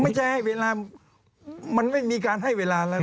ไม่ใช่ให้เวลามันไม่มีการให้เวลาแล้ว